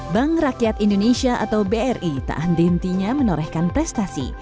bank rakyat indonesia atau bri tak andintinya menorehkan prestasi